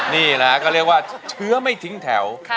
นี่นะก็เรียกว่าเชื้อไม่ทิ้งแถว